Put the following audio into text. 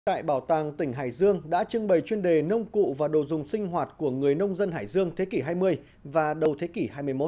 tại bảo tàng tỉnh hải dương đã trưng bày chuyên đề nông cụ và đồ dùng sinh hoạt của người nông dân hải dương thế kỷ hai mươi và đầu thế kỷ hai mươi một